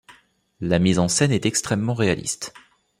La mise en scène est extrêmement réaliste.